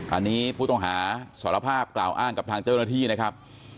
อันนี้ผู้ต้องหาสารภาพกล่าวอ้างกับทางเจ้าหน้าที่นะครับ